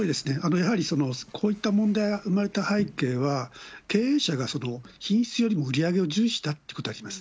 やはり、こういった問題が生まれた背景は、経営者が品質よりも売り上げを重視したということにあります。